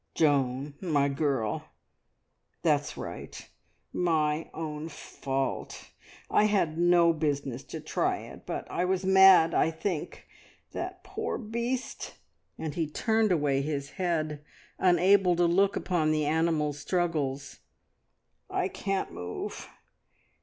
"Joan, my girl! That's right. My own fault! I had no business to try it, but I was mad, I think. That poor beast!" and he turned away his head, unable to look upon the animal's struggles. "I can't move.